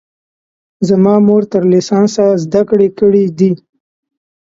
زما مور تر لیسانسه زده کړې کړي دي